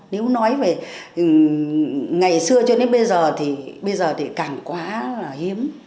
nếu nói về ngày xưa cho đến bây giờ thì càng quá là hiếm